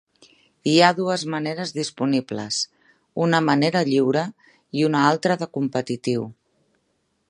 Hi ha dues maneres disponibles: una manera lliure i una altra de competitiu.